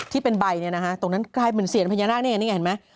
ที่เป็นใบตรงนั้นกลายมันเสียงพญานาคนี่ไงนี่เห็นไหม